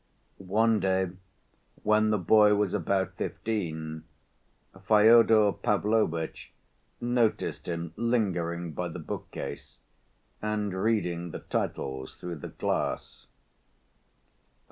One day when the boy was about fifteen, Fyodor Pavlovitch noticed him lingering by the bookcase, and reading the titles through the glass.